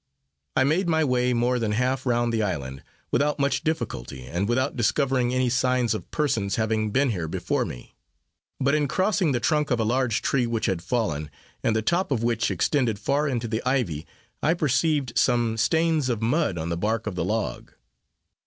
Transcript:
I made my way more than half round the island, without much difficulty, and without discovering any signs of persons having been here before me; but in crossing the trunk of a large tree which had fallen, and the top of which extended far into the ivy, I perceived some stains of mud on the bark of the log.